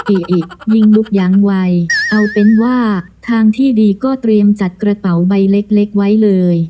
อิอิงลุกยังไวเอาเป็นว่าทางที่ดีก็เตรียมจัดกระเป๋าใบเล็กเล็กไว้เลย